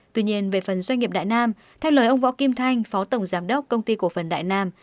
tuy nhiên về phần doanh nghiệp đại nam theo lời ông võ kim thanh phó tổng giám đốc công ty cổ phần đại nam